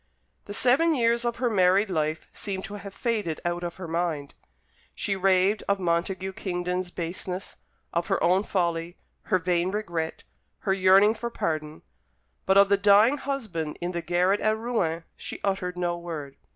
The seven years of her married life seemed to have faded out of her mind. She raved of Montague Kingdon's baseness, of her own folly, her vain regret, her yearning for pardon; but of the dying husband in the garret at Rouen she uttered no word.